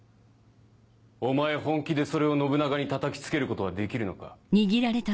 お前本気でそれを信長に叩きつけることはできるのか？